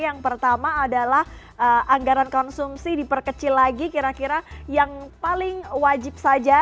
yang pertama adalah anggaran konsumsi diperkecil lagi kira kira yang paling wajib saja